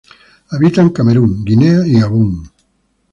Habita en Camerún, Guinea y Gabón.